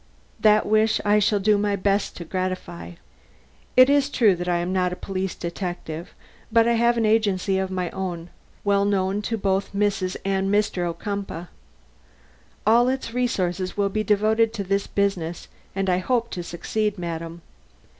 That wish I shall do my best to gratify. It is true that I am not a police detective, but I have an agency of my own, well known to both Mrs. and Mr. Ocumpaugh. All its resources will be devoted to this business and I hope to succeed, madam.